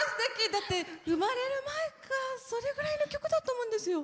だって生まれる前かそれぐらいの曲だと思うんですよ。